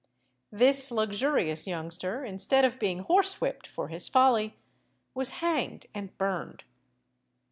This luxurious youngster, instead of being horsewhipped for his folly, was hanged and burned.